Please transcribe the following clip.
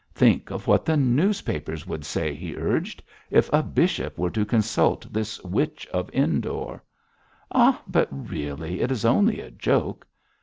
'Think of what the newspapers would say,' he urged, 'if a bishop were to consult this Witch of Endor.' 'Oh, but really, it is only a joke!'